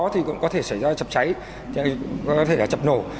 thì cũng có thể xảy ra chập cháy có thể chập nổ